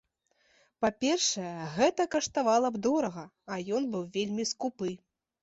Па-першае, гэта каштавала б дорага, а ён быў вельмі скупы.